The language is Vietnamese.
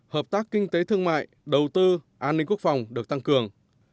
hợp tác kinh tế thương mại đầu tư an ninh quốc phòng được tăng cường